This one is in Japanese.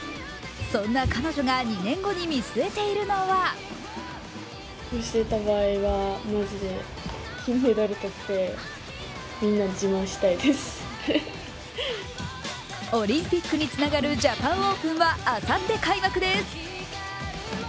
そんな彼女が２年後に見据えているのはオリンピックにつながるジャパンオープンはあさって開幕です。